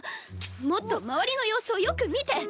もっと周りの様子をよく見て。